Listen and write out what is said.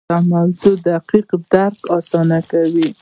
د موضوع دقیق درک اسانه کوي.